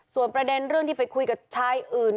ส่วนประเด็นเรื่องที่ไปคุยกับชายอื่น